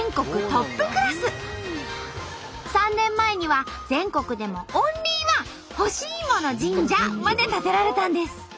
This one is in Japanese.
３年前には全国でもオンリーワン干しいもの神社まで建てられたんです。